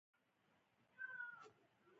لمر تود شو.